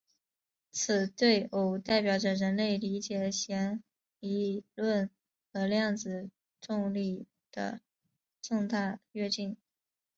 此对偶代表着人类理解弦理论和量子重力的重大跃进。